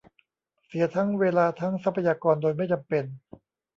เสียทั้งเวลาทั้งทรัพยากรโดยไม่จำเป็น